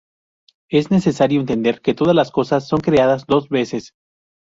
Es necesario entender que todas las cosas son creadas dos veces.